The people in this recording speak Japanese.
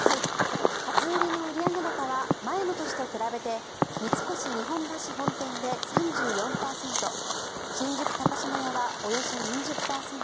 初売りの売上高は前の年と比べて三越日本橋本店で３４％新宿高島屋はおよそ４０％